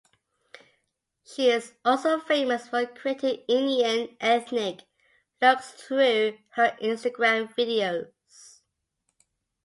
She is also famous for creating Indian ethnic looks through her Instagram videos.